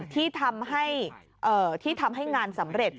ที่ทำให้งานสำเร็จ